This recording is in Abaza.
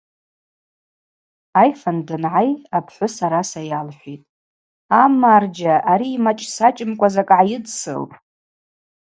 Айфанд дангӏай апхӏвыс араса йалхӏвитӏ: – А марджьа, ари ймачӏ-сачӏымкӏва закӏ гӏайыдсылтӏ.